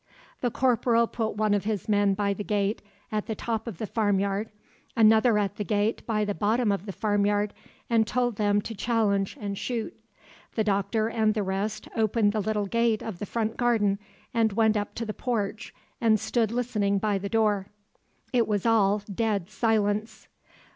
The corporal put one of his men by the gate at the top of the farmyard, another at the gate by the bottom of the farmyard, and told them to challenge and shoot. The doctor and the rest opened the little gate of the front garden and went up to the porch and stood listening by the door. It was all dead silence.